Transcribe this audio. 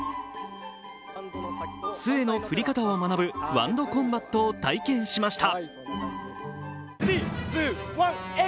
つえの振り方を学ぶ「ワンド・コンバット」を体験しました。